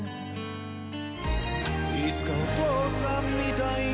「いつかお父さんみたいに」